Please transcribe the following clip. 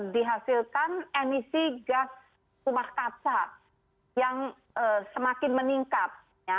dihasilkan emisi gas rumah kaca yang semakin meningkat